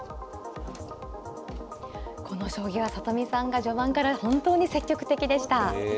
この将棋は里見さんが序盤から本当に積極的でした。